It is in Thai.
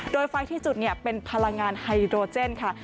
โดยไฟที่จุดเป็นพลังงานไฮโดรเจนค่ะ